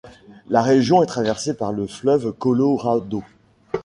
La région est traversée par le fleuve Colorado.